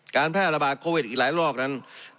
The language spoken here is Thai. การแพร่ระบาดโควิดหลายหลอกนั้น